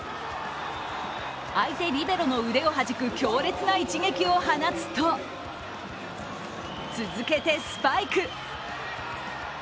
相手リベロの腕をはじく強烈な一撃を放つと続けてスパイク。